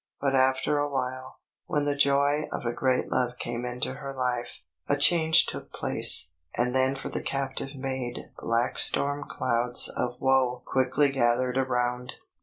But after a while, when the joy of a great love came into her life, a change took place; and then for the captive maid black storm clouds of woe quickly gathered around.